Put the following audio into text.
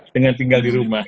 dengan tinggal di rumah